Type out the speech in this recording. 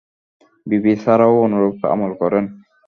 বিবি সারাহও অনুরূপ আমল করেন।